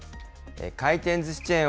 回転ずしチェーン